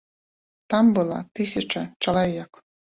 Там была тысяча чалавек.